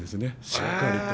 しっかりと。